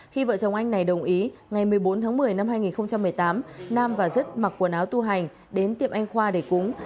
khi vợ chồng anh này đồng ý ngày một mươi bốn tháng một mươi năm hai nghìn một mươi tám nam và dứt mặc quần áo tu hành đến tiệm anh khoa để cúng